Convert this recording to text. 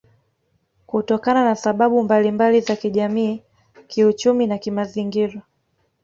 kutokana na sababu mbalimba za kijamii kiuchumi na kimazingira